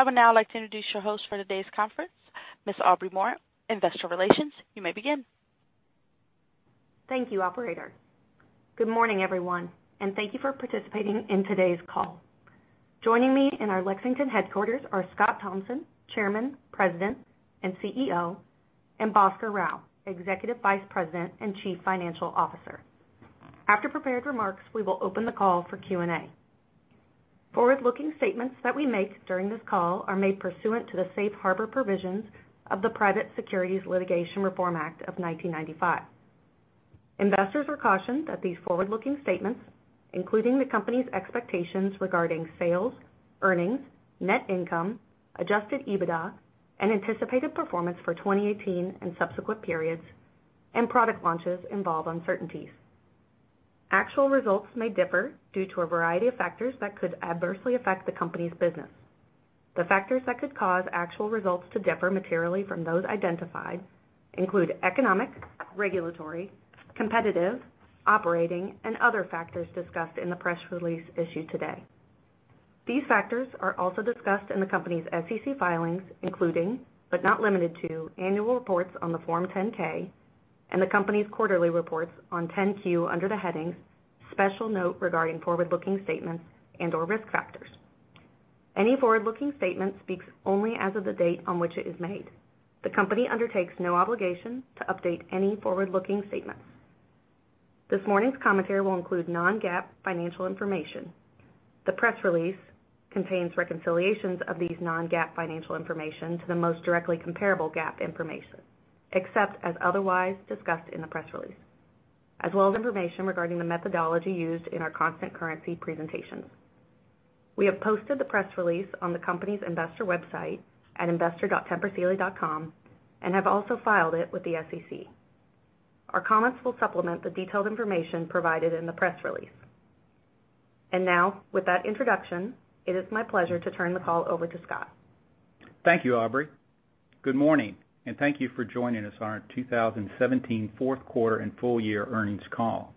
I would now like to introduce your host for today's conference, Ms. Aubrey Moore, Investor Relations. You may begin. Thank you, operator. Good morning, everyone, thank you for participating in today's call. Joining me in our Lexington headquarters are Scott Thompson, Chairman, President, and CEO, and Bhaskar Rao, Executive Vice President and Chief Financial Officer. After prepared remarks, we will open the call for Q&A. Forward-looking statements that we make during this call are made pursuant to the safe harbor provisions of the Private Securities Litigation Reform Act of 1995. Investors are cautioned that these forward-looking statements, including the company's expectations regarding sales, earnings, net income, adjusted EBITDA, and anticipated performance for 2018 and subsequent periods, and product launches involve uncertainties. Actual results may differ due to a variety of factors that could adversely affect the company's business. The factors that could cause actual results to differ materially from those identified include economic, regulatory, competitive, operating, and other factors discussed in the press release issued today. These factors are also discussed in the company's SEC filings, including but not limited to annual reports on the Form 10-K and the company's quarterly reports on 10-Q under the headings "Special Note Regarding Forward-Looking Statements" and/or "Risk Factors." Any forward-looking statement speaks only as of the date on which it is made. The company undertakes no obligation to update any forward-looking statements. This morning's commentary will include non-GAAP financial information. The press release contains reconciliations of these non-GAAP financial information to the most directly comparable GAAP information, except as otherwise discussed in the press release, as well as information regarding the methodology used in our constant currency presentations. We have posted the press release on the company's investor website at investor.tempursealy.com and have also filed it with the SEC. Our comments will supplement the detailed information provided in the press release. Now, with that introduction, it is my pleasure to turn the call over to Scott. Thank you, Aubrey. Good morning. Thank you for joining us on our 2017 fourth quarter and full year earnings call.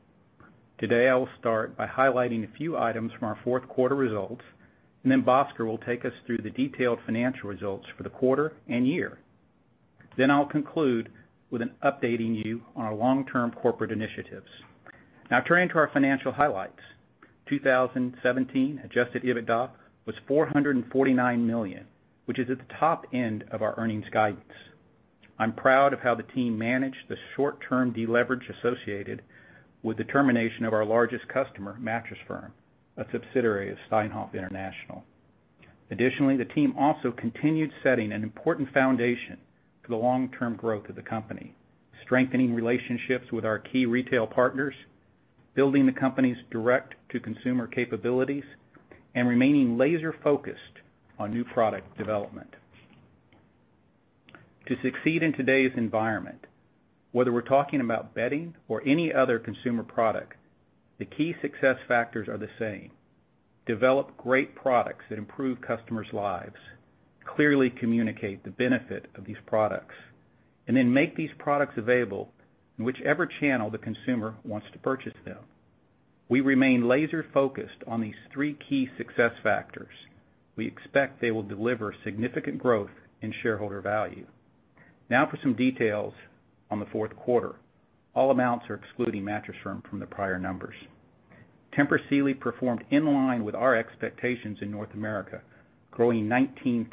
Today, I will start by highlighting a few items from our fourth quarter results. Bhaskar will take us through the detailed financial results for the quarter and year. I'll conclude with updating you on our long-term corporate initiatives. Now turning to our financial highlights. 2017 adjusted EBITDA was $449 million, which is at the top end of our earnings guidance. I'm proud of how the team managed the short-term deleverage associated with the termination of our largest customer, Mattress Firm, a subsidiary of Steinhoff International. The team also continued setting an important foundation for the long-term growth of the company, strengthening relationships with our key retail partners, building the company's direct-to-consumer capabilities, and remaining laser-focused on new product development. To succeed in today's environment, whether we're talking about bedding or any other consumer product, the key success factors are the same: develop great products that improve customers' lives, clearly communicate the benefit of these products. Then make these products available in whichever channel the consumer wants to purchase them. We remain laser-focused on these three key success factors. We expect they will deliver significant growth in shareholder value. Now for some details on the fourth quarter. All amounts are excluding Mattress Firm from the prior numbers. Tempur Sealy performed in line with our expectations in North America, growing 19%.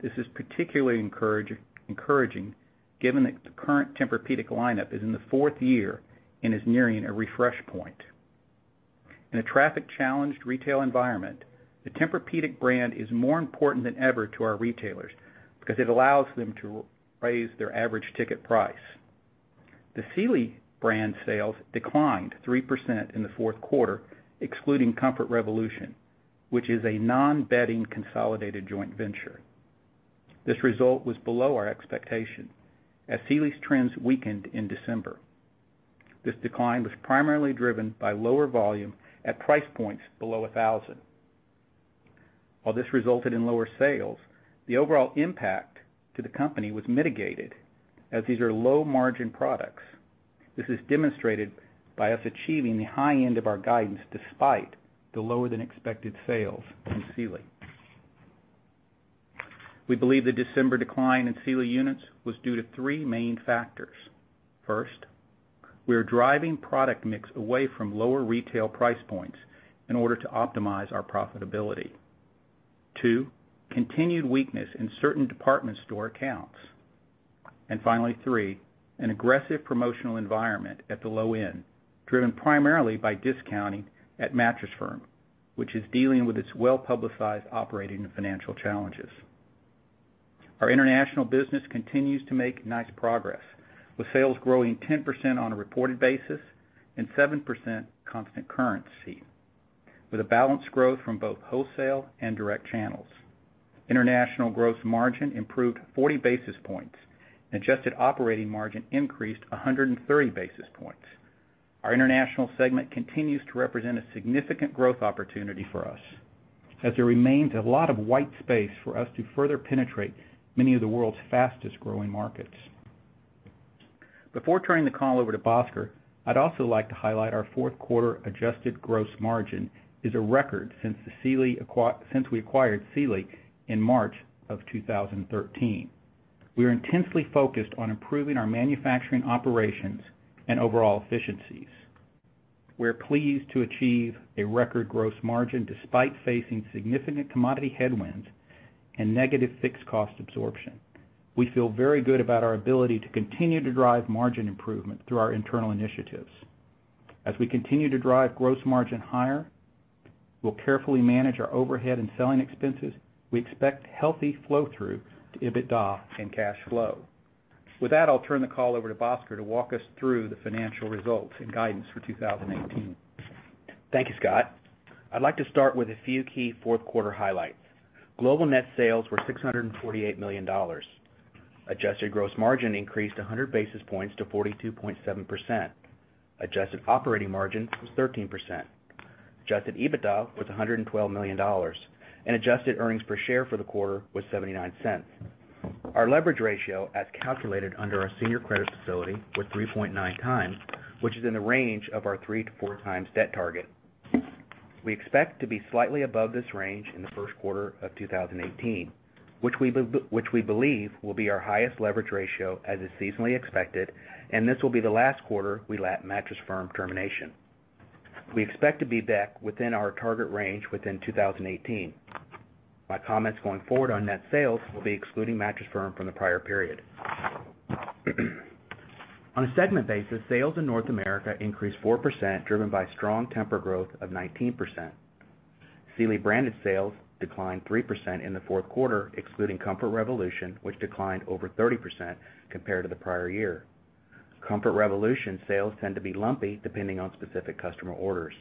This is particularly encouraging given that the current Tempur-Pedic lineup is in the fourth year and is nearing a refresh point. In a traffic-challenged retail environment, the Tempur-Pedic brand is more important than ever to our retailers because it allows them to raise their average ticket price. The Sealy brand sales declined 3% in the fourth quarter, excluding Comfort Revolution, which is a non-bedding consolidated joint venture. This result was below our expectation as Sealy's trends weakened in December. This decline was primarily driven by lower volume at price points below $1,000. While this resulted in lower sales, the overall impact to the company was mitigated as these are low-margin products. This is demonstrated by us achieving the high end of our guidance despite the lower-than-expected sales from Sealy. We believe the December decline in Sealy units was due to three main factors. First, we are driving product mix away from lower retail price points in order to optimize our profitability. Two, continued weakness in certain department store accounts. Finally, three, an aggressive promotional environment at the low end, driven primarily by discounting at Mattress Firm, which is dealing with its well-publicized operating and financial challenges. Our international business continues to make nice progress, with sales growing 10% on a reported basis and 7% constant currency, with a balanced growth from both wholesale and direct channels. International gross margin improved 40 basis points and adjusted operating margin increased 130 basis points. Our international segment continues to represent a significant growth opportunity for us, as there remains a lot of white space for us to further penetrate many of the world's fastest-growing markets. Before turning the call over to Bhaskar, I'd also like to highlight our fourth quarter adjusted gross margin is a record since we acquired Sealy in March of 2013. We are intensely focused on improving our manufacturing operations and overall efficiencies. We are pleased to achieve a record gross margin despite facing significant commodity headwinds and negative fixed cost absorption. We feel very good about our ability to continue to drive margin improvement through our internal initiatives. As we continue to drive gross margin higher, we'll carefully manage our overhead and selling expenses. We expect healthy flow-through to EBITDA and cash flow. With that, I'll turn the call over to Bhaskar to walk us through the financial results and guidance for 2018. Thank you, Scott. I'd like to start with a few key fourth quarter highlights. Global net sales were $648 million. Adjusted gross margin increased 100 basis points to 42.7%. Adjusted operating margin was 13%. Adjusted EBITDA was $112 million, and adjusted earnings per share for the quarter was $0.79. Our leverage ratio, as calculated under our senior credit facility, was 3.9 times, which is in the range of our three to four times debt target. We expect to be slightly above this range in the first quarter of 2018, which we believe will be our highest leverage ratio as is seasonally expected, and this will be the last quarter we'll have Mattress Firm termination. We expect to be back within our target range within 2018. My comments going forward on net sales will be excluding Mattress Firm from the prior period. On a segment basis, sales in North America increased 4%, driven by strong Tempur growth of 19%. Sealy branded sales declined 3% in the fourth quarter, excluding Comfort Revolution, which declined over 30% compared to the prior year. Comfort Revolution sales tend to be lumpy depending on specific customer orders.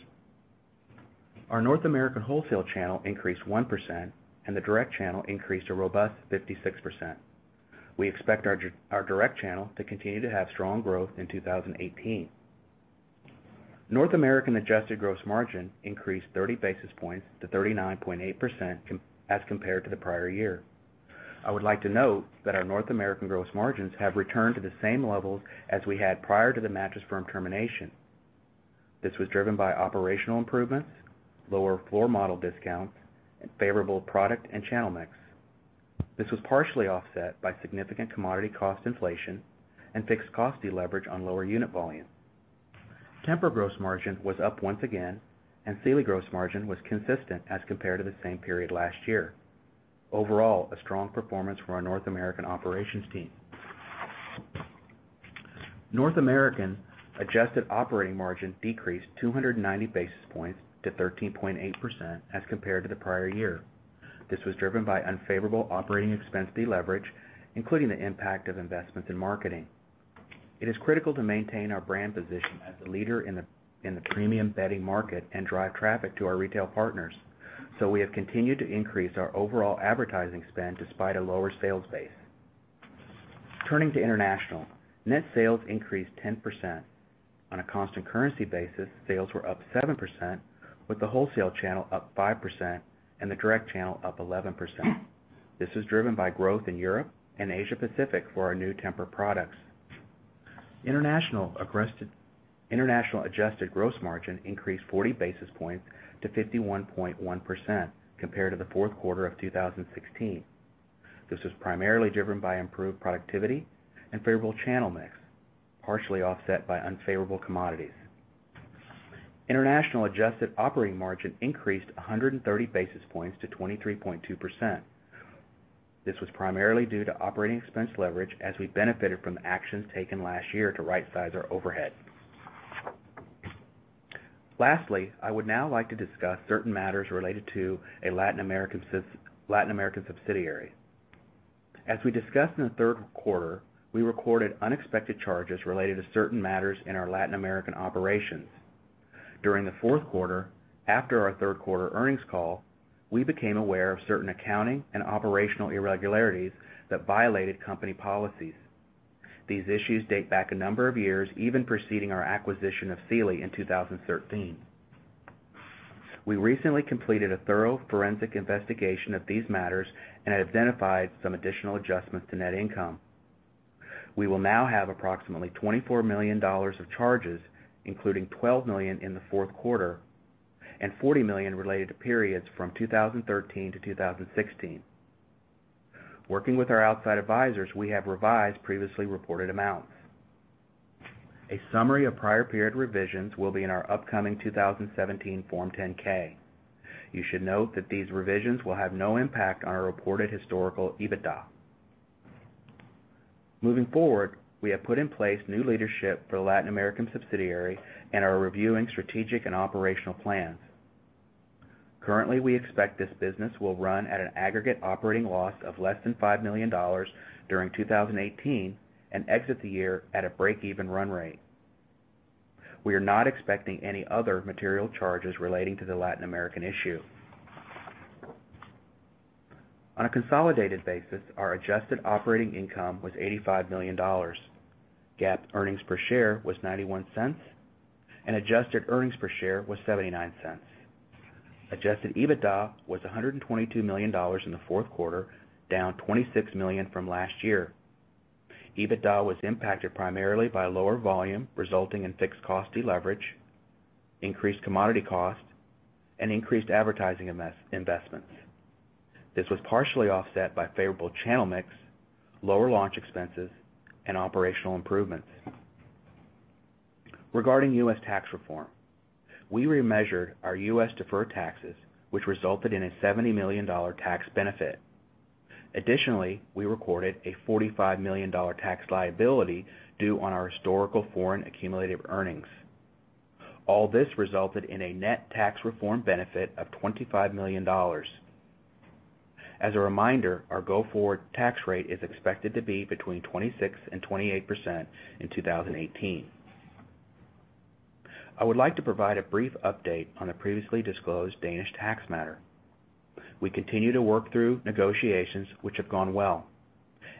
Our North American wholesale channel increased 1% and the direct channel increased a robust 56%. We expect our direct channel to continue to have strong growth in 2018. North American adjusted gross margin increased 30 basis points to 39.8% as compared to the prior year. I would like to note that our North American gross margins have returned to the same levels as we had prior to the Mattress Firm termination. This was driven by operational improvements, lower floor model discounts, and favorable product and channel mix. This was partially offset by significant commodity cost inflation and fixed cost deleverage on lower unit volume. Tempur gross margin was up once again, and Sealy gross margin was consistent as compared to the same period last year. Overall, a strong performance from our North American operations team. North American adjusted operating margin decreased 290 basis points to 13.8% as compared to the prior year. This was driven by unfavorable operating expense deleverage, including the impact of investments in marketing. It is critical to maintain our brand position as the leader in the premium bedding market and drive traffic to our retail partners. Turning to international. Net sales increased 10%. On a constant currency basis, sales were up 7%, with the wholesale channel up 5% and the direct channel up 11%. This was driven by growth in Europe and Asia Pacific for our new Tempur products. International adjusted gross margin increased 40 basis points to 51.1% compared to the fourth quarter of 2016. This was primarily driven by improved productivity and favorable channel mix, partially offset by unfavorable commodities. International adjusted operating margin increased 130 basis points to 23.2%. This was primarily due to operating expense leverage as we benefited from the actions taken last year to rightsize our overhead. Lastly, I would now like to discuss certain matters related to a Latin American subsidiary. As we discussed in the third quarter, we recorded unexpected charges related to certain matters in our Latin American operations. During the fourth quarter, after our third quarter earnings call, we became aware of certain accounting and operational irregularities that violated company policies. These issues date back a number of years, even preceding our acquisition of Sealy in 2013. We recently completed a thorough forensic investigation of these matters and have identified some additional adjustments to net income. We will now have approximately $24 million of charges, including $12 million in the fourth quarter and $40 million related to periods from 2013 to 2016. Working with our outside advisors, we have revised previously reported amounts. A summary of prior period revisions will be in our upcoming 2017 Form 10-K. You should note that these revisions will have no impact on our reported historical EBITDA. Moving forward, we have put in place new leadership for the Latin American subsidiary and are reviewing strategic and operational plans. Currently, we expect this business will run at an aggregate operating loss of less than $5 million during 2018 and exit the year at a break-even run rate. We are not expecting any other material charges relating to the Latin American issue. On a consolidated basis, our adjusted operating income was $85 million. GAAP earnings per share was $0.91, and adjusted earnings per share was $0.79. Adjusted EBITDA was $122 million in the fourth quarter, down $26 million from last year. EBITDA was impacted primarily by lower volume, resulting in fixed cost deleverage, increased commodity costs, and increased advertising investments. This was partially offset by favorable channel mix, lower launch expenses, and operational improvements. Regarding U.S. tax reform, we remeasured our U.S. deferred taxes, which resulted in a $70 million tax benefit. Additionally, we recorded a $45 million tax liability due on our historical foreign accumulated earnings. All this resulted in a net tax reform benefit of $25 million. As a reminder, our go-forward tax rate is expected to be between 26%-28% in 2018. I would like to provide a brief update on the previously disclosed Danish tax matter. We continue to work through negotiations which have gone well,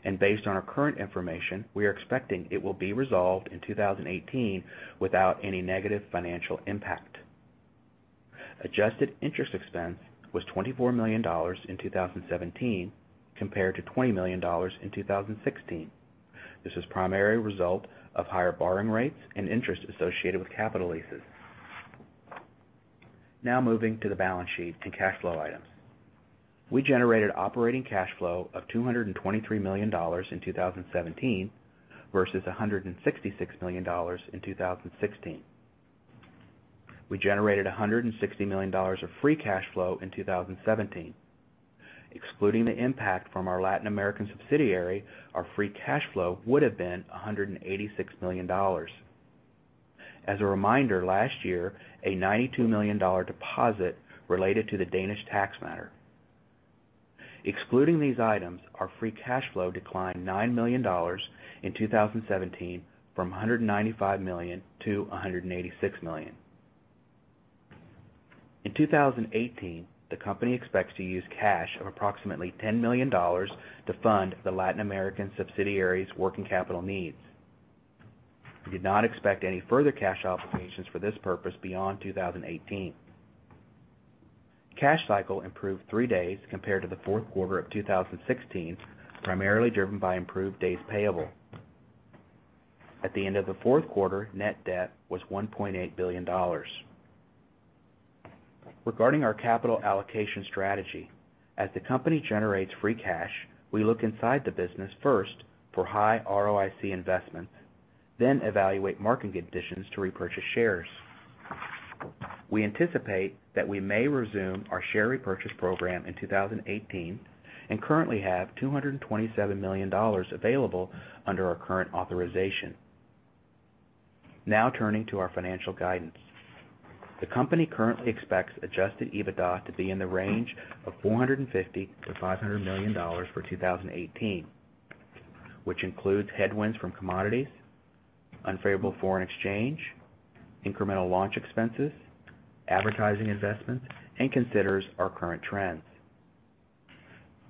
and based on our current information, we are expecting it will be resolved in 2018 without any negative financial impact. Adjusted interest expense was $24 million in 2017 compared to $20 million in 2016. This was primarily a result of higher borrowing rates and interest associated with capital leases. Now moving to the balance sheet and cash flow items. We generated operating cash flow of $223 million in 2017 versus $166 million in 2016. We generated $160 million of free cash flow in 2017. Excluding the impact from our Latin American subsidiary, our free cash flow would've been $186 million. As a reminder, last year, a $92 million deposit related to the Danish tax matter. Excluding these items, our free cash flow declined $9 million in 2017 from $195 million to $186 million. In 2018, the company expects to use cash of approximately $10 million to fund the Latin American subsidiary's working capital needs. We did not expect any further cash obligations for this purpose beyond 2018. Cash cycle improved three days compared to the fourth quarter of 2016, primarily driven by improved days payable. At the end of the fourth quarter, net debt was $1.8 billion. Regarding our capital allocation strategy, as the company generates free cash, we look inside the business first for high ROIC investments, then evaluate market conditions to repurchase shares. We anticipate that we may resume our share repurchase program in 2018 and currently have $227 million available under our current authorization. Turning to our financial guidance. The company currently expects adjusted EBITDA to be in the range of $450 million-$500 million for 2018, which includes headwinds from commodities, unfavorable foreign exchange, incremental launch expenses, advertising investments, and considers our current trends.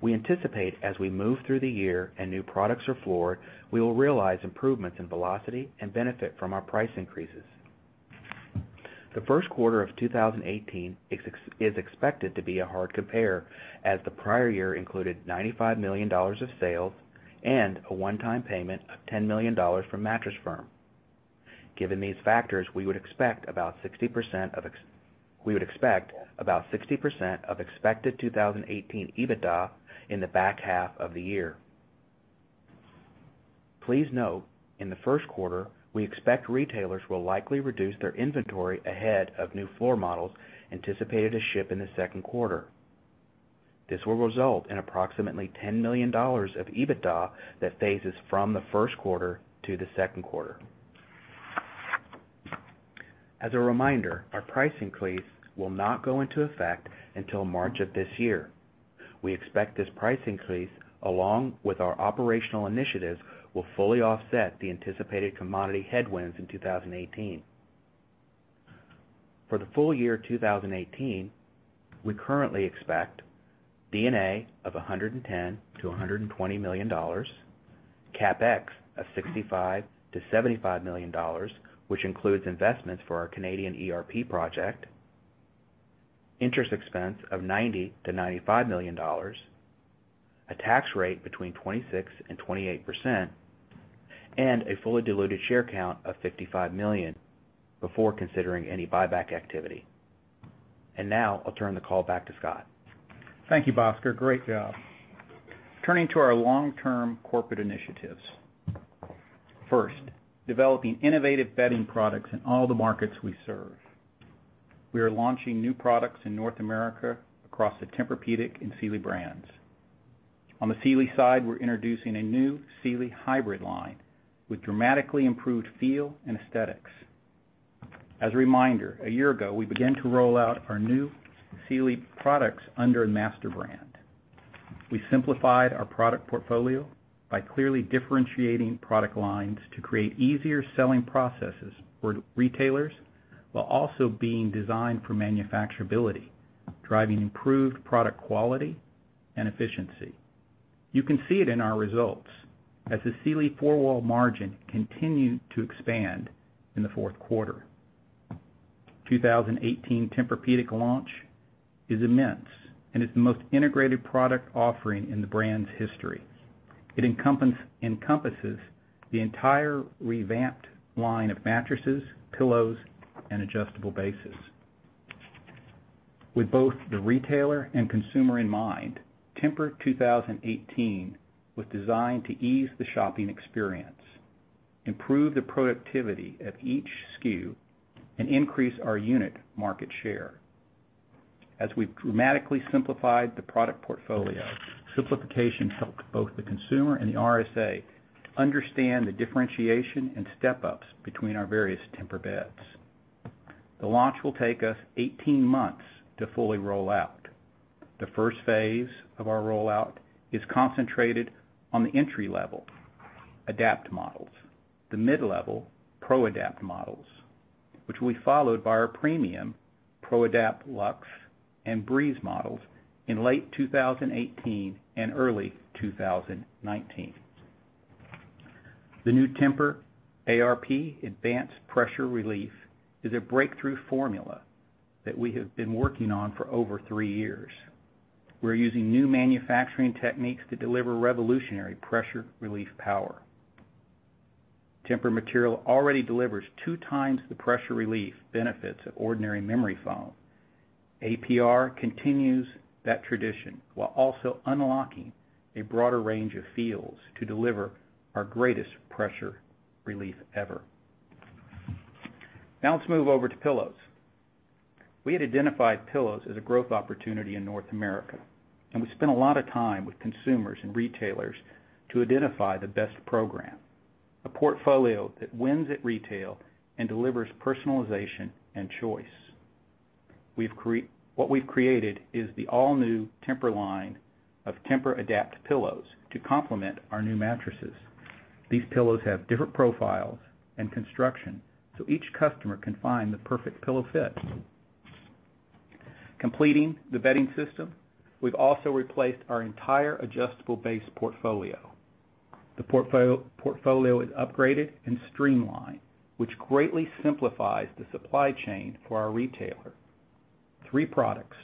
We anticipate as we move through the year and new products are floored, we will realize improvements in velocity and benefit from our price increases. The first quarter of 2018 is expected to be a hard compare as the prior year included $95 million of sales and a one-time payment of $10 million from Mattress Firm. Given these factors, we would expect about 60% of expected 2018 EBITDA in the back half of the year. Please note, in the first quarter, we expect retailers will likely reduce their inventory ahead of new floor models anticipated to ship in the second quarter. This will result in approximately $10 million of EBITDA that phases from the first quarter to the second quarter. As a reminder, our price increase will not go into effect until March of this year. We expect this price increase, along with our operational initiatives, will fully offset the anticipated commodity headwinds in 2018. For the full year 2018, we currently expect D&A of $110 million-$120 million, CapEx of $65 million-$75 million, which includes investments for our Canadian ERP project, interest expense of $90 million-$95 million, a tax rate between 26%-28%, and a fully diluted share count of 55 million before considering any buyback activity. I'll turn the call back to Scott. Thank you, Bhaskar. Great job. Turning to our long-term corporate initiatives. First, developing innovative bedding products in all the markets we serve. We are launching new products in North America across the Tempur-Pedic and Sealy brands. On the Sealy side, we're introducing a new Sealy Hybrid line with dramatically improved feel and aesthetics. As a reminder, a year ago, we began to roll out our new Sealy products under a master brand. We simplified our product portfolio by clearly differentiating product lines to create easier selling processes for retailers while also being designed for manufacturability, driving improved product quality and efficiency. You can see it in our results as the Sealy four-wall margin continued to expand in the fourth quarter. 2018 Tempur-Pedic launch is immense and is the most integrated product offering in the brand's history. It encompasses the entire revamped line of mattresses, pillows, and adjustable bases. With both the retailer and consumer in mind, TEMPUR-PEDIC 2018 was designed to ease the shopping experience, improve the productivity of each SKU, and increase our unit market share. As we've dramatically simplified the product portfolio, simplification helped both the consumer and the RSA understand the differentiation and step-ups between our various Tempur-Pedic beds. The launch will take us 18 months to fully roll out. The first phase of our rollout is concentrated on the entry-level TEMPUR-Adapt models, the mid-level TEMPUR-ProAdapt models, which will be followed by our premium TEMPUR-LuxeAdapt and TEMPUR-Breeze models in late 2018 and early 2019. The new TEMPUR-APR, Advanced Pressure Relief, is a breakthrough formula that we have been working on for over three years. We're using new manufacturing techniques to deliver revolutionary pressure relief power. Tempur-Pedic material already delivers two times the pressure relief benefits of ordinary memory foam. APR continues that tradition while also unlocking a broader range of feels to deliver our greatest pressure relief ever. Now let's move over to pillows. We had identified pillows as a growth opportunity in North America, we spent a lot of time with consumers and retailers to identify the best program, a portfolio that wins at retail and delivers personalization and choice. What we've created is the all-new Tempur-Pedic line of TEMPUR-Adapt pillows to complement our new mattresses. These pillows have different profiles and construction, so each customer can find the perfect pillow fit. Completing the bedding system, we've also replaced our entire adjustable base portfolio. The portfolio is upgraded and streamlined, which greatly simplifies the supply chain for our retailer. Three products,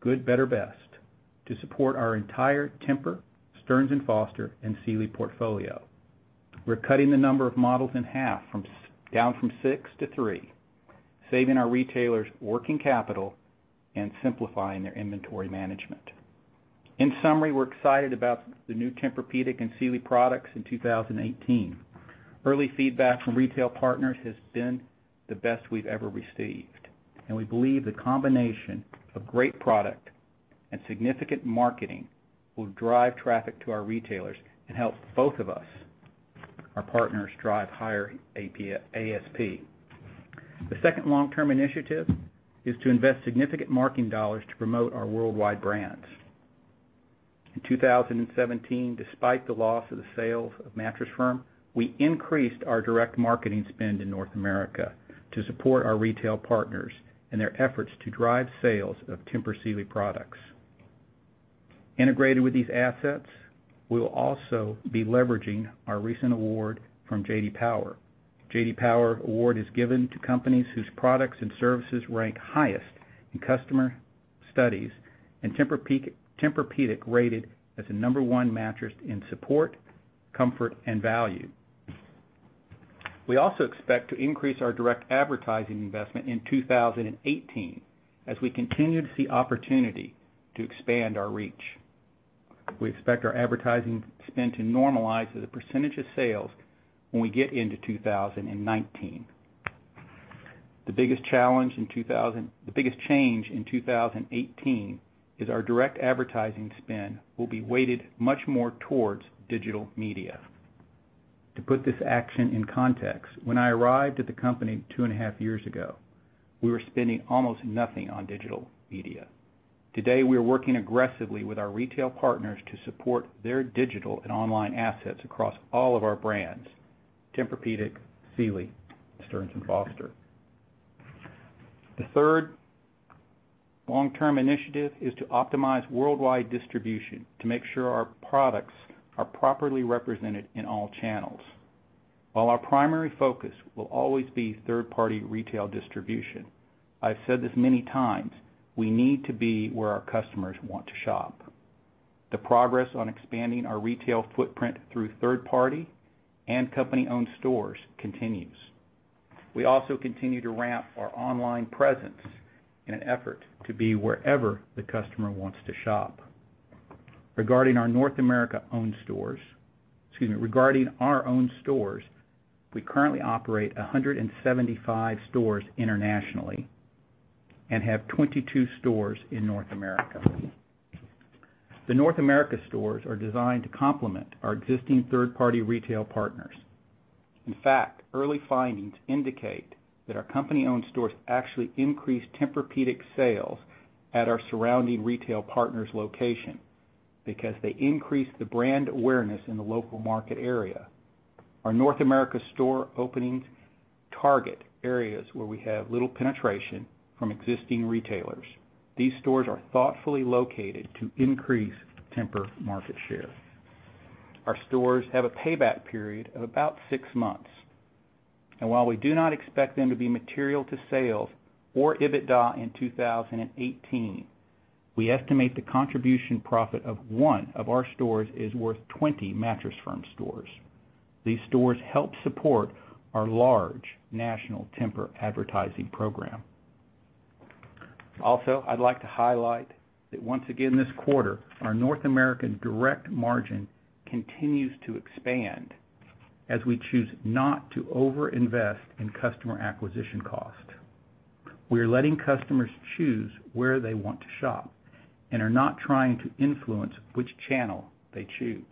good, better, best, to support our entire Tempur-Pedic, Stearns & Foster, and Sealy portfolio. We're cutting the number of models in half from down from six to three, saving our retailers working capital and simplifying their inventory management. In summary, we're excited about the new Tempur-Pedic and Sealy products in 2018. Early feedback from retail partners has been the best we've ever received, and we believe the combination of great product and significant marketing will drive traffic to our retailers and help both of us, our partners, drive higher ASP. The second long-term initiative is to invest significant marketing dollars to promote our worldwide brands. In 2017, despite the loss of the sales of Mattress Firm, we increased our direct marketing spend in North America to support our retail partners and their efforts to drive sales of Somnigroup International products. Integrated with these assets, we will also be leveraging our recent award from J.D. Power. J.D. Power award is given to companies whose products and services rank highest in customer studies and Tempur-Pedic rated as the number one mattress in support, comfort, and value. We also expect to increase our direct advertising investment in 2018 as we continue to see opportunity to expand our reach. We expect our advertising spend to normalize as a percentage of sales when we get into 2019. The biggest change in 2018 is our direct advertising spend will be weighted much more towards digital media. To put this action in context, when I arrived at the company two and a half years ago, we were spending almost nothing on digital media. Today, we are working aggressively with our retail partners to support their digital and online assets across all of our brands, Tempur-Pedic, Sealy, Stearns & Foster. The third long-term initiative is to optimize worldwide distribution to make sure our products are properly represented in all channels. While our primary focus will always be third-party retail distribution, I've said this many times, we need to be where our customers want to shop. The progress on expanding our retail footprint through third-party and company-owned stores continues. We also continue to ramp our online presence in an effort to be wherever the customer wants to shop. Regarding our North America owned stores. Excuse me. Regarding our own stores, we currently operate 175 stores internationally and have 22 stores in North America. The North America stores are designed to complement our existing third-party retail partners. In fact, early findings indicate that our company-owned stores actually increase Tempur-Pedic sales at our surrounding retail partners' location because they increase the brand awareness in the local market area. Our North America store openings target areas where we have little penetration from existing retailers. These stores are thoughtfully located to increase Tempur market share. Our stores have a payback period of about six months. While we do not expect them to be material to sales or EBITDA in 2018, we estimate the contribution profit of one of our stores is worth 20 Mattress Firm stores. These stores help support our large national Tempur advertising program. Also, I'd like to highlight that once again this quarter, our North American direct margin continues to expand as we choose not to over-invest in customer acquisition cost. We are letting customers choose where they want to shop and are not trying to influence which channel they choose.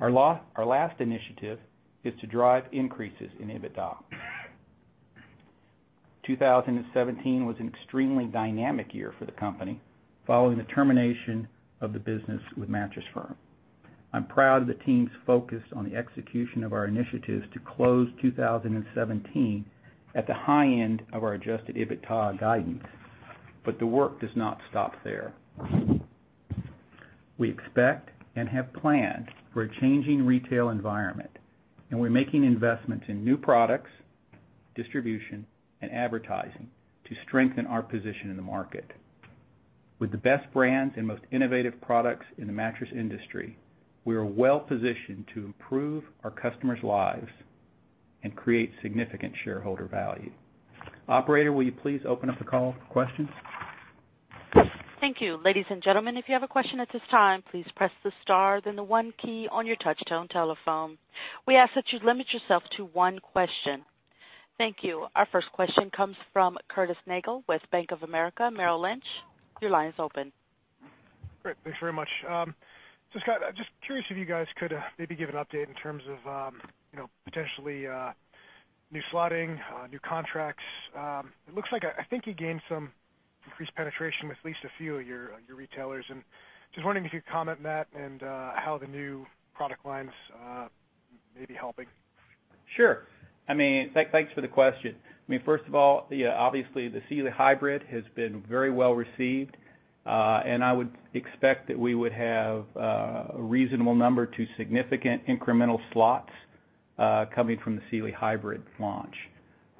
Our last initiative is to drive increases in EBITDA. 2017 was an extremely dynamic year for the company following the termination of the business with Mattress Firm. I'm proud of the team's focus on the execution of our initiatives to close 2017 at the high end of our adjusted EBITDA guidance. The work does not stop there. We expect and have planned for a changing retail environment. We're making investments in new products, distribution, and advertising to strengthen our position in the market. With the best brands and most innovative products in the mattress industry, we are well positioned to improve our customers' lives and create significant shareholder value. Operator, will you please open up the call for questions? Thank you. Ladies and gentlemen, if you have a question at this time, please press the star, then the one key on your touchtone telephone. We ask that you limit yourself to one question. Thank you. Our first question comes from Curtis Nagle with Bank of America Merrill Lynch. Your line is open. Great. Thanks very much. Scott, just curious if you guys could maybe give an update in terms of potentially new slotting, new contracts. I think you gained some increased penetration with at least a few of your retailers, and just wondering if you could comment on that and how the new product lines may be helping. Sure. Thanks for the question. First of all, obviously the Sealy Hybrid has been very well received, and I would expect that we would have a reasonable number to significant incremental slots coming from the Sealy Hybrid launch.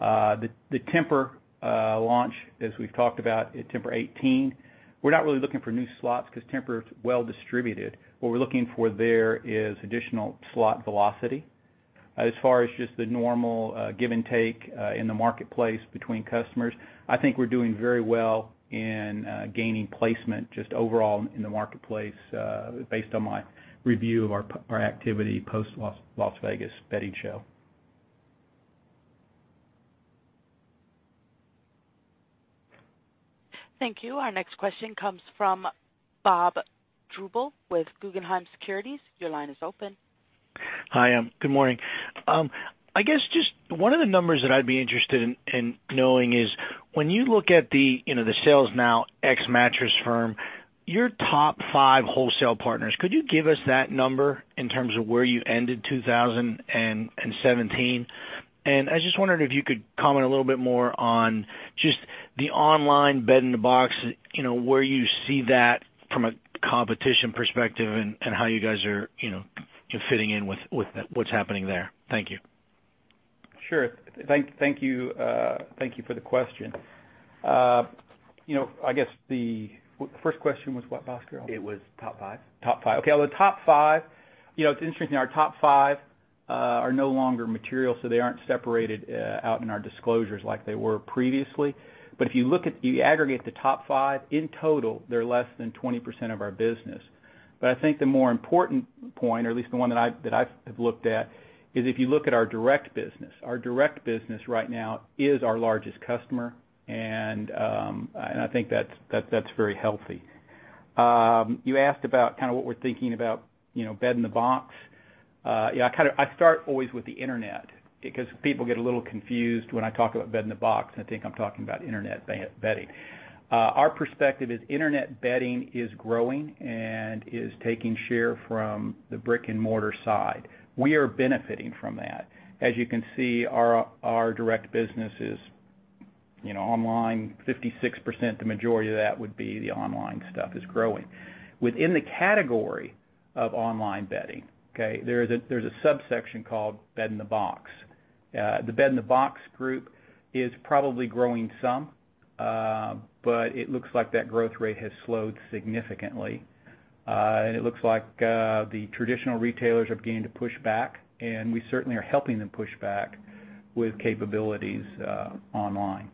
The Tempur launch, as we've talked about, Tempur '18, we're not really looking for new slots because Tempur is well distributed. What we're looking for there is additional slot velocity. As far as just the normal give and take in the marketplace between customers, I think we're doing very well in gaining placement just overall in the marketplace based on my review of our activity post-Las Vegas Market. Thank you. Our next question comes from Bob Drbul with Guggenheim Securities. Your line is open. Hi. Good morning. I guess just one of the numbers that I'd be interested in knowing is when you look at the sales now ex Mattress Firm, your top five wholesale partners, could you give us that number in terms of where you ended 2017? I just wondered if you could comment a little bit more on just the online bed-in-a-box, where you see that from a competition perspective and how you guys are fitting in with what's happening there. Thank you. Sure. Thank you for the question. I guess the first question was what, Bhaskar? It was top five. Top five. Okay. On the top five, it's interesting, our top five are no longer material. They aren't separated out in our disclosures like they were previously. If you aggregate the top five, in total, they're less than 20% of our business. I think the more important point, or at least the one that I have looked at, is if you look at our direct business. Our direct business right now is our largest customer, and I think that's very healthy. You asked about kind of what we're thinking about bed-in-a-box. I start always with the internet because people get a little confused when I talk about bed-in-a-box and think I'm talking about internet bedding. Our perspective is internet bedding is growing and is taking share from the brick and mortar side. We are benefiting from that. As you can see, our direct business is online 56%. The majority of that would be the online stuff is growing. Within the category of online bedding, okay, there's a subsection called bed-in-a-box. The bed-in-a-box group is probably growing some, but it looks like that growth rate has slowed significantly. It looks like the traditional retailers have began to push back, and we certainly are helping them push back with capabilities online.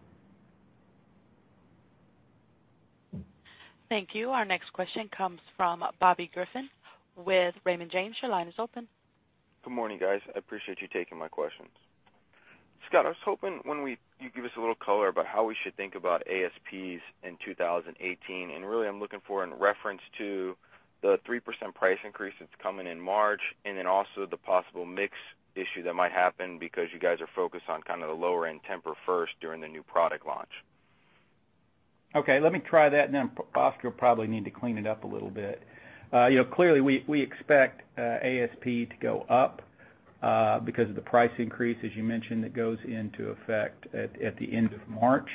Thank you. Our next question comes from Bobby Griffin with Raymond James. Your line is open. Good morning, guys. I appreciate you taking my questions. Scott, I was hoping you'd give us a little color about how we should think about ASPs in 2018. Really I'm looking for in reference to the 3% price increase that's coming in March. Also the possible mix issue that might happen because you guys are focused on kind of the lower-end Tempur first during the new product launch. Okay, let me try that. Bhaskar will probably need to clean it up a little bit. Clearly, we expect ASP to go up because of the price increase, as you mentioned, that goes into effect at the end of March.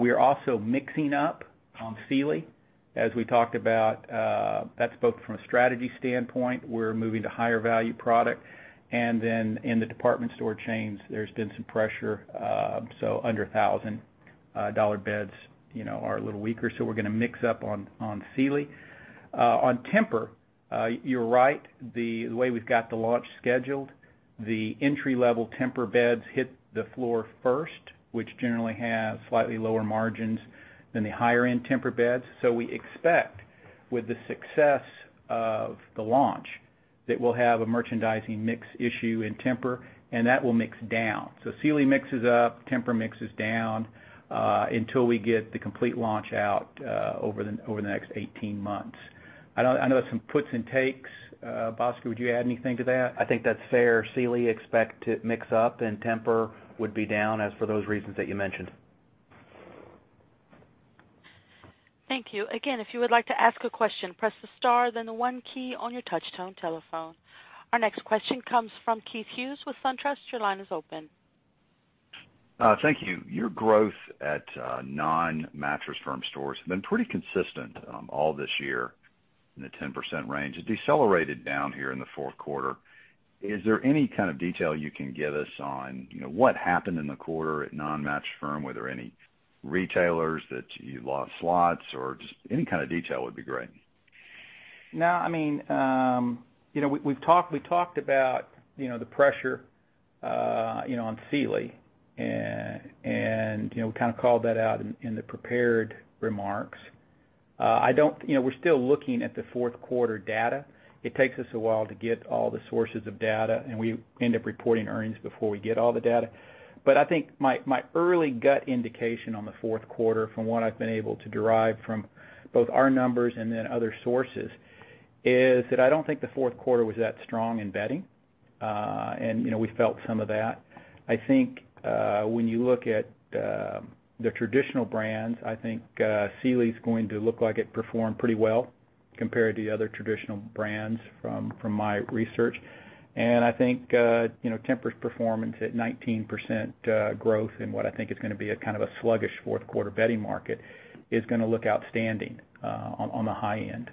We are also mixing up on Sealy, as we talked about. That's both from a strategy standpoint, we're moving to higher value product. Then in the department store chains, there's been some pressure. Under $1,000 beds are a little weaker. We're going to mix up on Sealy. On Tempur, you're right. The way we've got the launch scheduled, the entry level Tempur beds hit the floor first, which generally have slightly lower margins than the higher end Tempur beds. We expect with the success of the launch, that we'll have a merchandising mix issue in Tempur and that will mix down. Sealy mixes up, Tempur mixes down, until we get the complete launch out over the next 18 months. I know that's some puts and takes. Bhaskar, would you add anything to that? I think that's fair. Sealy expect to mix up and Tempur would be down as for those reasons that you mentioned. Thank you. Again, if you would like to ask a question, press the star then the one key on your touch tone telephone. Our next question comes from Keith Hughes with SunTrust. Your line is open. Thank you. Your growth at non-Mattress Firm stores have been pretty consistent all this year in the 10% range. It decelerated down here in the fourth quarter. Is there any kind of detail you can give us on what happened in the quarter at non-Mattress Firm? Were there any retailers that you lost slots or just any kind of detail would be great. No. We talked about the pressure on Sealy and we kind of called that out in the prepared remarks. We're still looking at the fourth quarter data. It takes us a while to get all the sources of data, and we end up reporting earnings before we get all the data. I think my early gut indication on the fourth quarter from what I've been able to derive from both our numbers and then other sources, is that I don't think the fourth quarter was that strong in bedding. We felt some of that. I think when you look at the traditional brands, I think Sealy's going to look like it performed pretty well compared to the other traditional brands from my research. I think Tempur's performance at 19% growth and what I think is going to be a kind of a sluggish fourth quarter bedding market is going to look outstanding on the high end.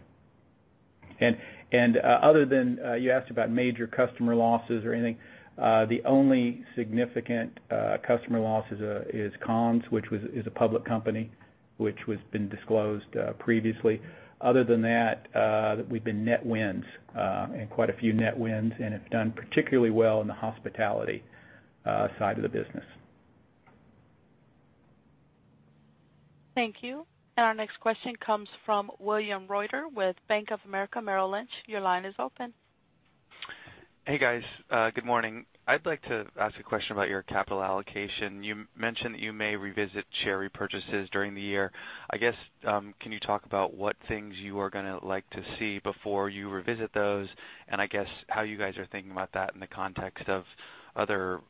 Other than you asked about major customer losses or anything, the only significant customer loss is Conn's, which is a public company, which has been disclosed previously. Other than that, we've been net wins and quite a few net wins and have done particularly well in the hospitality side of the business. Thank you. Our next question comes from William Reuter with Bank of America Merrill Lynch. Your line is open. Hey, guys. Good morning. I'd like to ask a question about your capital allocation. You mentioned that you may revisit share repurchases during the year. Can you talk about what things you are going to like to see before you revisit those, how you guys are thinking about that in the context of other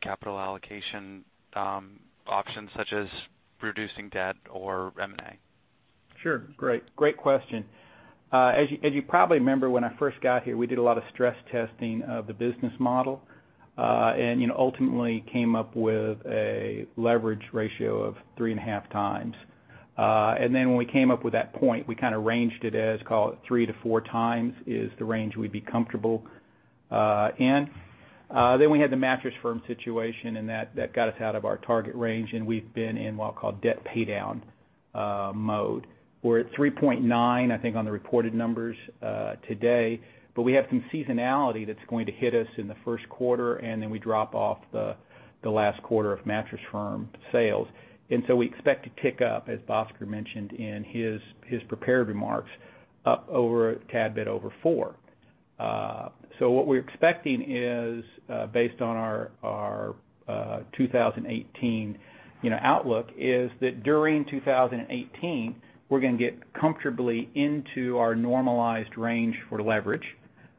capital allocation options such as reducing debt or M&A? Sure. Great question. As you probably remember, when I first got here, we did a lot of stress testing of the business model, ultimately came up with a leverage ratio of three and a half times. When we came up with that point, we kind of ranged it as call it three to four times is the range we'd be comfortable in. We had the Mattress Firm situation that got us out of our target range and we've been in what I'll call debt pay down mode. We're at 3.9, I think, on the reported numbers today, but we have some seasonality that's going to hit us in the first quarter and then we drop off the last quarter of Mattress Firm sales. So we expect to tick up, as Bhaskar mentioned in his prepared remarks, up over a tad bit over four. What we're expecting is based on our 2018 outlook is that during 2018, we're going to get comfortably into our normalized range for leverage.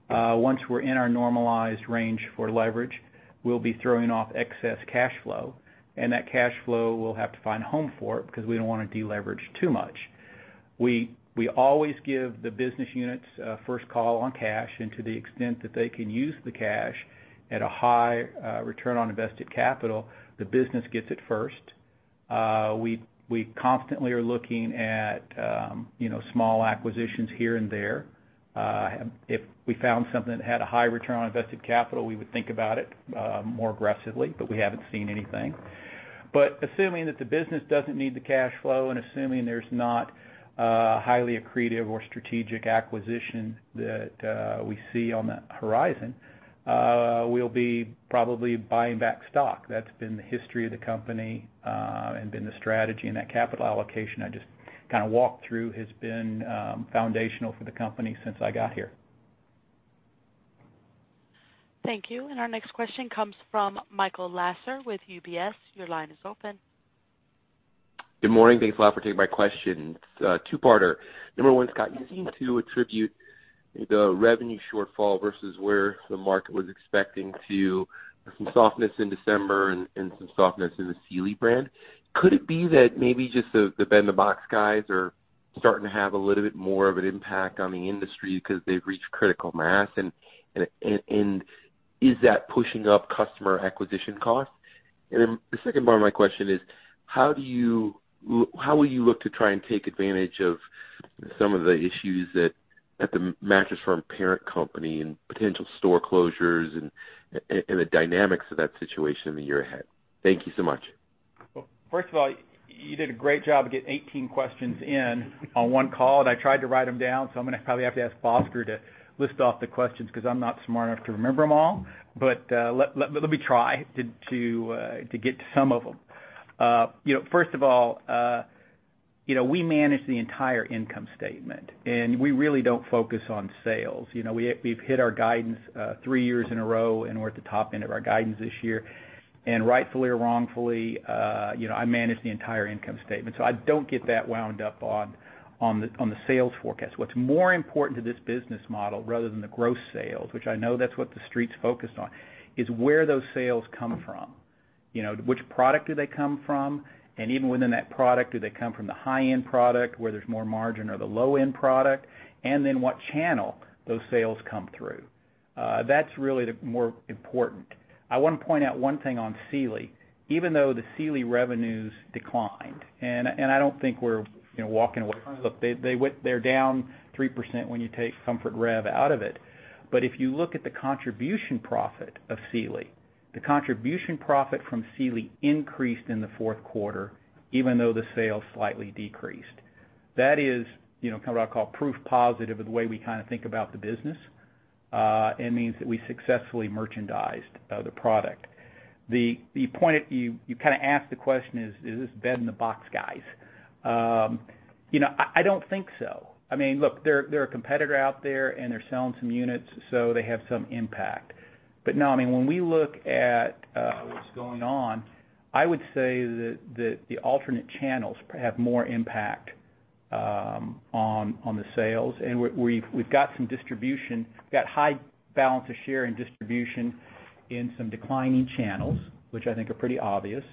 Once we're in our normalized range for leverage, we'll be throwing off excess cash flow, and that cash flow we'll have to find a home for it because we don't want to deleverage too much. We always give the business units first call on cash and to the extent that they can use the cash at a high return on invested capital, the business gets it first. We constantly are looking at small acquisitions here and there. If we found something that had a high return on invested capital, we would think about it more aggressively, but we haven't seen anything. Assuming that the business doesn't need the cash flow and assuming there's not a highly accretive or strategic acquisition that we see on the horizon, we'll be probably buying back stock. That's been the history of the company, and been the strategy and that capital allocation I just kind of walked through has been foundational for the company since I got here. Thank you. Our next question comes from Michael Lasser with UBS. Your line is open. Good morning. Thanks a lot for taking my questions. Two-parter. Number 1, Scott, you seem to attribute the revenue shortfall versus where the market was expecting to some softness in December and some softness in the Sealy brand. Could it be that maybe just the bed-in-the-box guys are starting to have a little bit more of an impact on the industry because they've reached critical mass, and is that pushing up customer acquisition costs? Then the second part of my question is: how will you look to try and take advantage of some of the issues at the Mattress Firm parent company and potential store closures and the dynamics of that situation in the year ahead? Thank you so much. Well, first of all, you did a great job of getting 18 questions in on one call. I tried to write them down, so I'm going to probably have to ask Bhaskar to list off the questions because I'm not smart enough to remember them all. Let me try to get to some of them. First of all, we manage the entire income statement. We really don't focus on sales. We've hit our guidance three years in a row, and we're at the top end of our guidance this year. Rightfully or wrongfully, I manage the entire income statement. I don't get that wound up on the sales forecast. What's more important to this business model, rather than the gross sales, which I know that's what the street's focused on, is where those sales come from. Which product do they come from? Even within that product, do they come from the high-end product where there's more margin or the low-end product? What channel those sales come through. That's really the more important. I want to point out one thing on Sealy. Even though the Sealy revenues declined, I don't think we're walking away from them. Look, they're down 3% when you take Comfort Rev out of it. If you look at the contribution profit of Sealy, the contribution profit from Sealy increased in the fourth quarter, even though the sales slightly decreased. That is what I'll call proof positive of the way we think about the business. It means that we successfully merchandised the product. You kind of asked the question is this bed-in-a-box guys? I don't think so. Look, they're a competitor out there and they're selling some units, so they have some impact. No, when we look at what's going on, I would say that the alternate channels have more impact on the sales. We've got some distribution, got high balance of share and distribution in some declining channels, which I think are pretty obvious.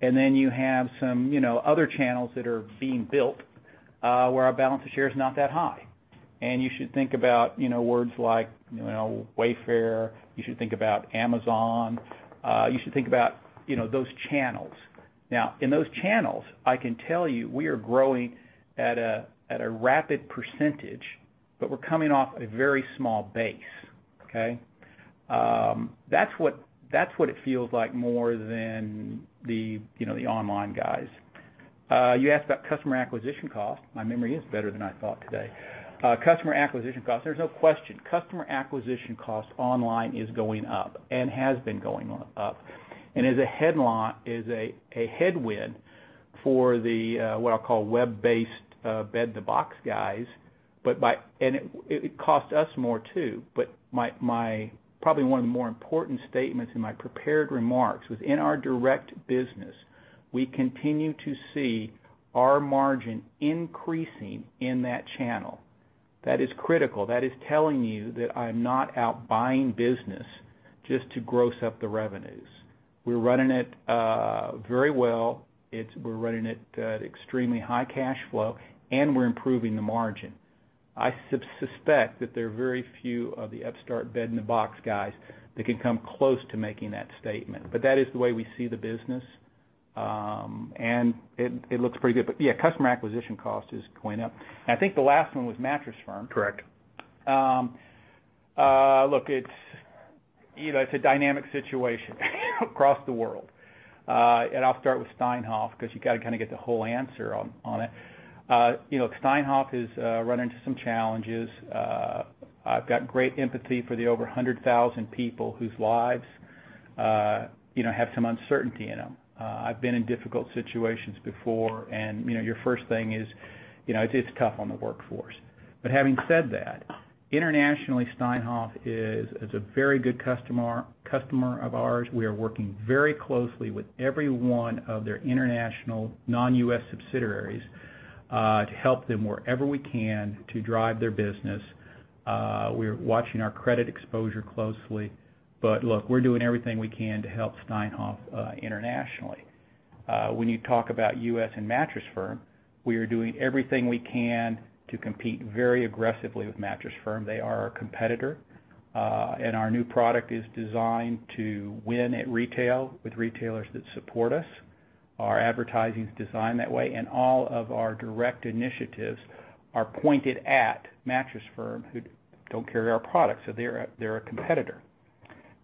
You have some other channels that are being built, where our balance of share is not that high. You should think about words like Wayfair. You should think about Amazon. You should think about those channels. Now, in those channels, I can tell you, we are growing at a rapid percentage, but we're coming off a very small base. Okay? That's what it feels like more than the online guys. You asked about customer acquisition cost. My memory is better than I thought today. Customer acquisition cost, there's no question. Customer acquisition cost online is going up and has been going up. Is a headwind for the, what I'll call web-based bed-in-a-box guys, and it costs us more, too. Probably one of the more important statements in my prepared remarks was in our direct business, we continue to see our margin increasing in that channel. That is critical. That is telling you that I'm not out buying business just to gross up the revenues. We're running it very well. We're running it at extremely high cash flow, and we're improving the margin. I suspect that there are very few of the upstart bed-in-a-box guys that can come close to making that statement. That is the way we see the business, and it looks pretty good. Yeah, customer acquisition cost is going up. I think the last one was Mattress Firm. Correct. Look, it's a dynamic situation across the world. I'll start with Steinhoff because you got to kind of get the whole answer on it. Steinhoff has run into some challenges. I've got great empathy for the over 100,000 people whose lives have some uncertainty in them. I've been in difficult situations before and your first thing is it's tough on the workforce. Having said that, internationally, Steinhoff is a very good customer of ours. We are working very closely with every one of their international non-U.S. subsidiaries, to help them wherever we can to drive their business. We're watching our credit exposure closely, look, we're doing everything we can to help Steinhoff internationally. When you talk about U.S. and Mattress Firm, we are doing everything we can to compete very aggressively with Mattress Firm. They are our competitor. Our new product is designed to win at retail with retailers that support us. Our advertising is designed that way, all of our direct initiatives are pointed at Mattress Firm who don't carry our products. They're a competitor.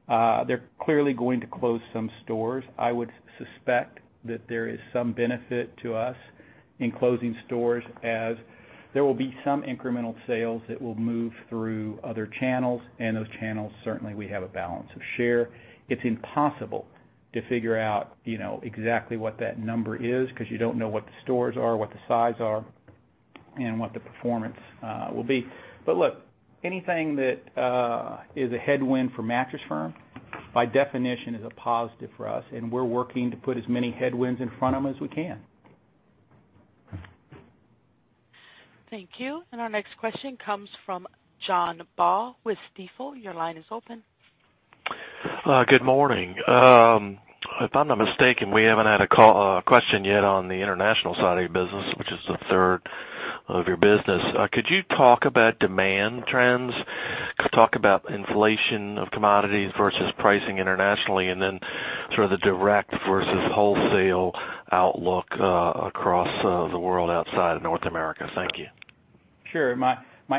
They're clearly going to close some stores. I would suspect that there is some benefit to us in closing stores as there will be some incremental sales that will move through other channels, and those channels, certainly, we have a balance of share. It's impossible to figure out exactly what that number is because you don't know what the stores are, what the size are, and what the performance will be. Look, anything that is a headwind for Mattress Firm, by definition, is a positive for us, and we're working to put as many headwinds in front of them as we can. Thank you. Our next question comes from John Baugh with Stifel. Your line is open. Good morning. If I'm not mistaken, we haven't had a question yet on the international side of your business, which is the third of your business. Could you talk about demand trends? Could you talk about inflation of commodities versus pricing internationally, then sort of the direct versus wholesale outlook across the world outside of North America? Thank you. Sure. My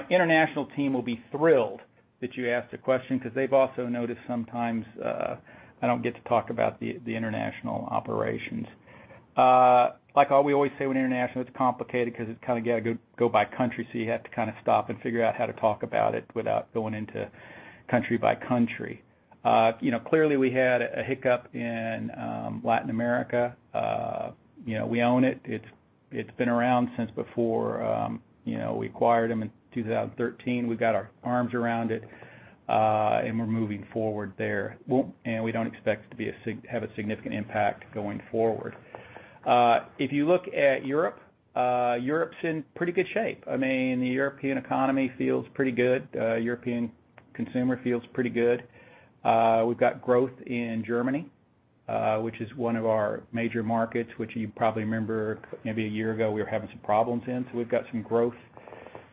international team will be thrilled that you asked a question because they've also noticed sometimes I don't get to talk about the international operations. Like we always say, when international, it's complicated because it kind of got to go by country, so you have to kind of stop and figure out how to talk about it without going into country by country. Clearly we had a hiccup in Latin America. We own it. It's been around since before we acquired them in 2013. We've got our arms around it, and we're moving forward there. We don't expect it to have a significant impact going forward. If you look at Europe's in pretty good shape. I mean, the European economy feels pretty good. European consumer feels pretty good. We've got growth in Germany, which is one of our major markets, which you probably remember maybe a year ago, we were having some problems in. We've got some growth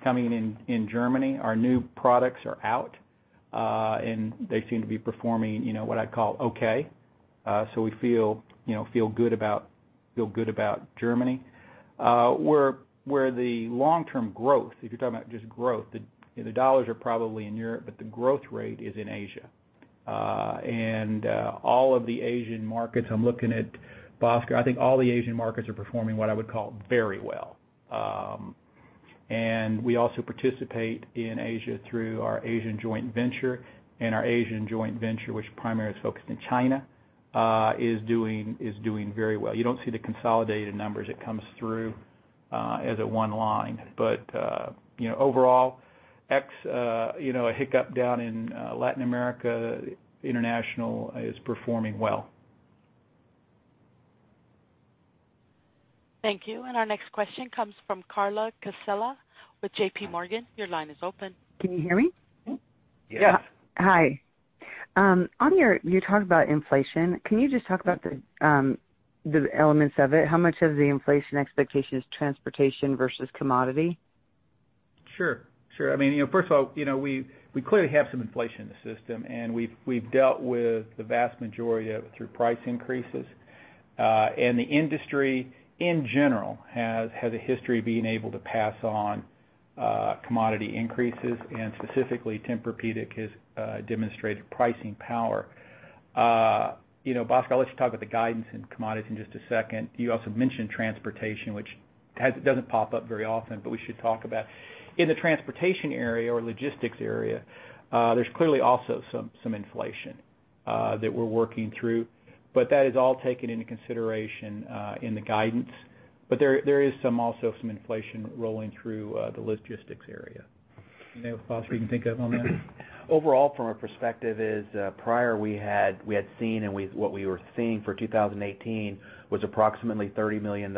coming in Germany. Our new products are out, and they seem to be performing what I'd call okay. We feel good about Germany. Where the long-term growth, if you're talking about just growth, the $ are probably in Europe, but the growth rate is in Asia. All of the Asian markets, I'm looking at Bhaskar, I think all the Asian markets are performing what I would call very well. We also participate in Asia through our Asian joint venture, and our Asian joint venture, which primarily is focused in China, is doing very well. You don't see the consolidated numbers. It comes through as a one line. Overall, ex a hiccup down in Latin America, international is performing well. Thank you. Our next question comes from Carla Casella with JP Morgan. Your line is open. Can you hear me? Yes. Hi. You talked about inflation. Can you just talk about the elements of it? How much of the inflation expectation is transportation versus commodity? Sure. First of all, we clearly have some inflation in the system, we've dealt with the vast majority of it through price increases. The industry, in general, has had a history of being able to pass on commodity increases and specifically, Tempur-Pedic has demonstrated pricing power. Bhaskar, I'll let you talk about the guidance in commodities in just a second. You also mentioned transportation, which doesn't pop up very often, but we should talk about. In the transportation area or logistics area, there's clearly also some inflation that we're working through, that is all taken into consideration in the guidance. There is also some inflation rolling through the logistics area. Anything else, Bhaskar, you can think of on that? Overall, from our perspective is, prior we had seen and what we were seeing for 2018 was approximately $30 million.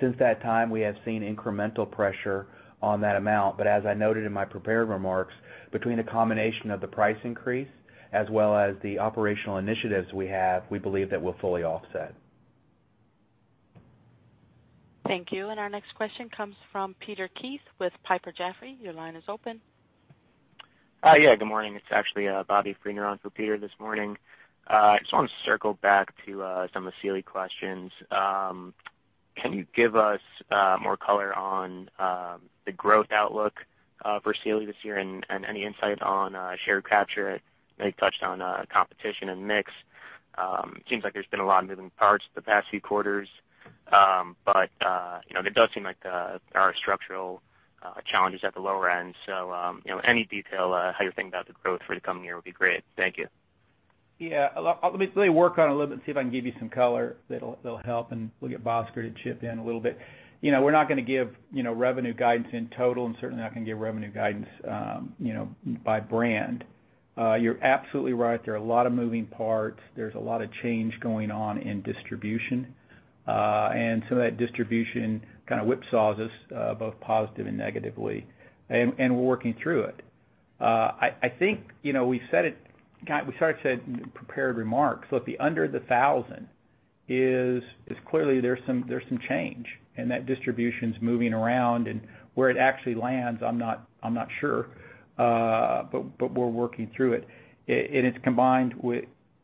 Since that time, we have seen incremental pressure on that amount. As I noted in my prepared remarks, between the combination of the price increase as well as the operational initiatives we have, we believe that we're fully offset. Thank you. Our next question comes from Peter Keith with Piper Jaffray. Your line is open. Yeah, good morning. It's actually Bobby Frehner on for Peter this morning. I just want to circle back to some of the Sealy questions. Can you give us more color on the growth outlook for Sealy this year and any insight on share capture? I know you touched on competition and mix. It seems like there's been a lot of moving parts the past few quarters. It does seem like there are structural challenges at the lower end. Any detail how you're thinking about the growth for the coming year would be great. Thank you. Yeah. Let me work on it a little bit and see if I can give you some color that'll help, and we'll get Bhaskar to chip in a little bit. We're not going to give revenue guidance in total and certainly not going to give revenue guidance by brand. You're absolutely right. There are a lot of moving parts. There's a lot of change going on in distribution. Some of that distribution kind of whipsaws us both positive and negatively, and we're working through it. I think we said it in the prepared remarks. Look, the under the $1,000 is clearly there's some change and that distribution's moving around and where it actually lands, I'm not sure. We're working through it. It's combined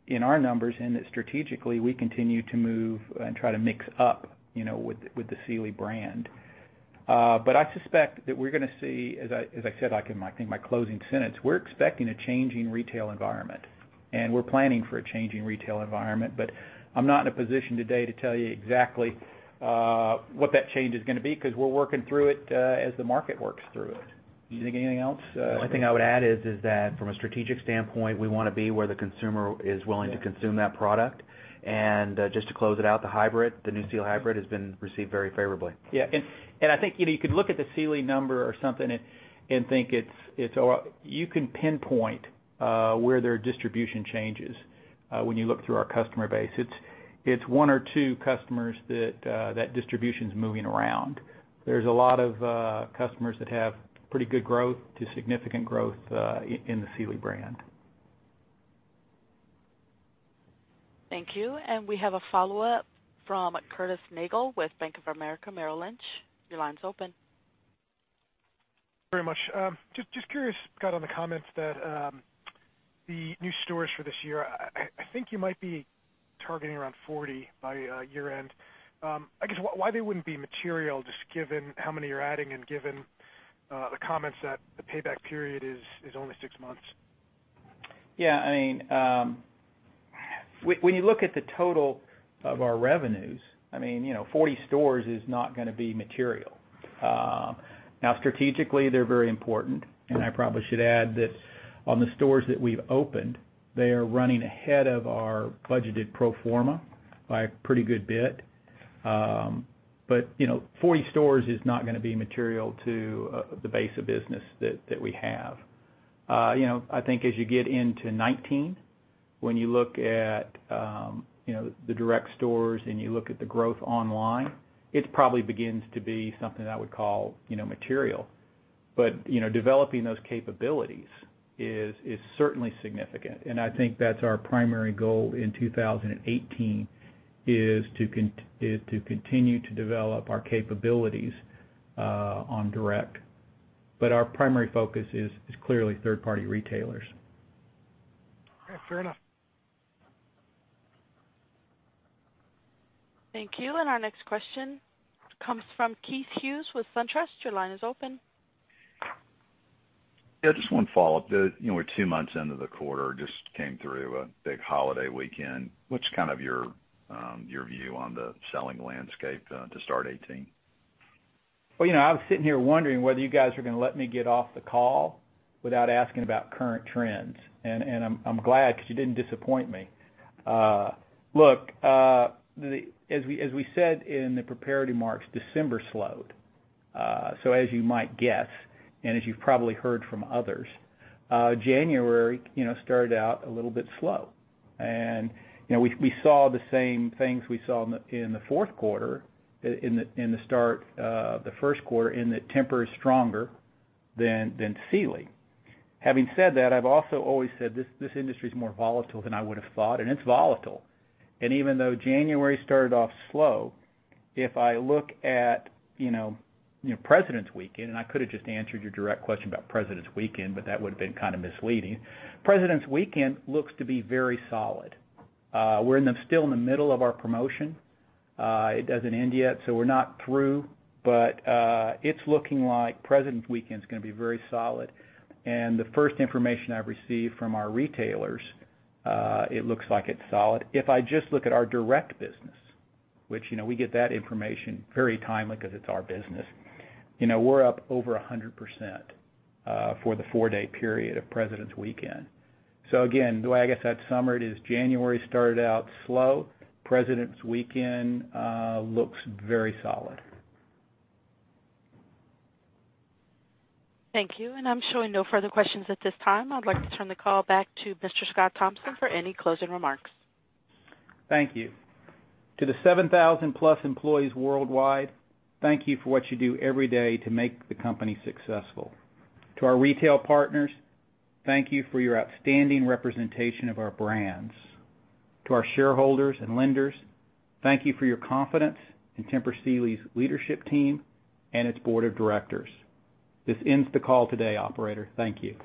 in our numbers in that strategically we continue to move and try to mix up with the Sealy brand. I suspect that we're going to see, as I said, I think in my closing sentence, we're expecting a changing retail environment, and we're planning for a changing retail environment, but I'm not in a position today to tell you exactly what that change is going to be because we're working through it as the market works through it. Do you think anything else? The only thing I would add is that from a strategic standpoint, we want to be where the consumer is willing to consume that product. Just to close it out, the new Sealy Hybrid has been received very favorably. Yeah. I think you could look at the Sealy number or something and think you can pinpoint where their distribution changes. When you look through our customer base, it's one or two customers that distribution's moving around. There's a lot of customers that have pretty good growth to significant growth in the Sealy brand. Thank you. We have a follow-up from Curtis Nagle with Bank of America Merrill Lynch. Your line's open. Very much. Just curious, Scott, on the comments that the new stores for this year, I think you might be targeting around 40 by year-end. I guess why they wouldn't be material, just given how many you're adding and given the comments that the payback period is only six months? Yeah. When you look at the total of our revenues, 40 stores is not going to be material. Now, strategically, they're very important, and I probably should add that on the stores that we've opened, they are running ahead of our budgeted pro forma by a pretty good bit. 40 stores is not going to be material to the base of business that we have. I think as you get into 2019, when you look at the direct stores and you look at the growth online, it probably begins to be something I would call material. Developing those capabilities is certainly significant, and I think that's our primary goal in 2018, is to continue to develop our capabilities on direct. Our primary focus is clearly third-party retailers. Okay. Fair enough. Thank you. Our next question comes from Keith Hughes with SunTrust. Your line is open. Yeah, just one follow-up. We're two months into the quarter, just came through a big holiday weekend. What's kind of your view on the selling landscape to start 2018? As we said in the prepared remarks, December slowed. As you might guess, and as you've probably heard from others, January started out a little bit slow. We saw the same things we saw in the fourth quarter, in the start of the first quarter, in that Tempur is stronger than Sealy. Having said that, I've also always said this industry's more volatile than I would've thought, and it's volatile. Even though January started off slow, if I look at President's Weekend, and I could've just answered your direct question about President's Weekend, but that would've been kind of misleading. President's Weekend looks to be very solid. We're still in the middle of our promotion. It doesn't end yet, so we're not through, but it's looking like President's Weekend's going to be very solid. The first information I've received from our retailers, it looks like it's solid. If I just look at our direct business, which we get that information very timely because it's our business, we're up over 100% for the four-day period of President's Weekend. Again, the way I guess I'd sum it is January started out slow. President's Weekend looks very solid. Thank you. I'm showing no further questions at this time. I'd like to turn the call back to Mr. Scott Thompson for any closing remarks. Thank you. To the 7,000-plus employees worldwide, thank you for what you do every day to make the company successful. To our retail partners, thank you for your outstanding representation of our brands. To our shareholders and lenders, thank you for your confidence in Somnigroup International's leadership team and its board of directors. This ends the call today, operator. Thank you.